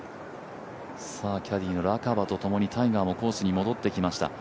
キャディーのラカバとともにタイガーが戻ってきました。